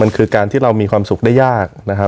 มันคือการที่เรามีความสุขได้ยากนะครับ